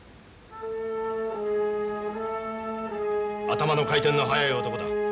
頭の回転の速い男だ。